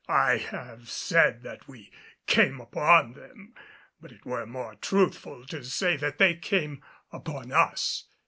I have said that we came upon them, but it were more truthful to say that they came upon us.